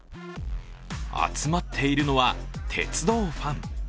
集まっているのは、鉄道ファン。